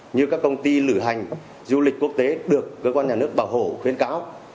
như các công ty lửa hành du lịch quốc tế được cơ quan nhà nước bảo hộ khuyến cáo